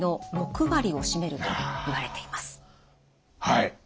はい。